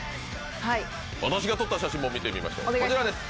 私が撮った写真も見てみましょうこちらです！